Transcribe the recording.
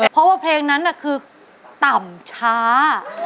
เพราะว่าเพลงนั้นคือต่ำช้า